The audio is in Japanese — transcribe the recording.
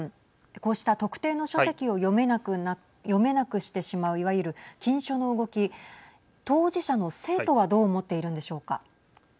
こうした特定の書籍を読めなくしてしまういわゆる禁書の動き当事者の生徒はどう思っているんでしょうか。